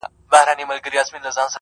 لېوه سمبول دنني وحشت ښيي ډېر